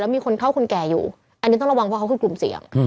มีคนเท่าคนแก่อยู่อันนี้ต้องระวังเพราะเขาคือกลุ่มเสี่ยง